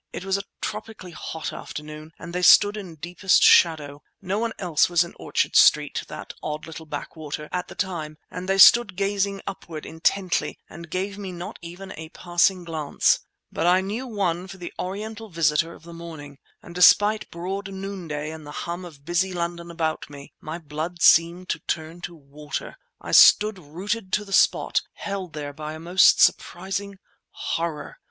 It was a tropically hot afternoon and they stood in deepest shadow. No one else was in Orchard Street—that odd little backwater—at the time, and they stood gazing upward intently and gave me not even a passing glance. But I knew one for the Oriental visitor of the morning, and despite broad noonday and the hum of busy London about me, my blood seemed to turn to water. I stood rooted to the spot, held there by a most surprising horror.